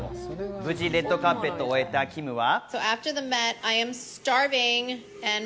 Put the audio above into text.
無事レッドカーペットを終えたキムは。